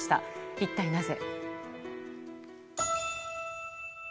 一体なぜ。